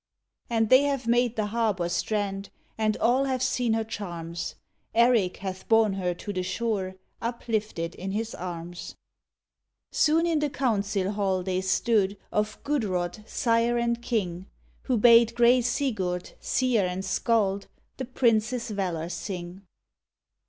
And they have made the harbor strand, And all have seen her charms; Erik hath borne her to the shore Uplifted hi his arms. Soon hi the council hall they stood Of Gudrod, sire and king, Who bade grey Sigurd, seer and skald, The prince s valor sing.